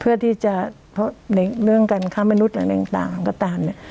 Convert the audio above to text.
เพื่อที่จะเพราะในเรื่องกันค่ะมนุษย์หลังจากต่างก็ต่างเนี่ย